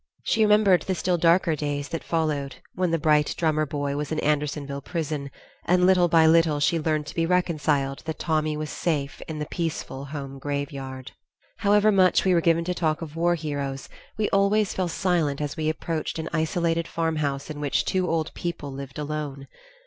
She remembered the still darker days that followed, when the bright drummer boy was in Andersonville prison, and little by little she learned to be reconciled that Tommy was safe in the peaceful home graveyard. However much we were given to talk of war heroes, we always fell silent as we approached an isolated farmhouse in which two old people lived alone.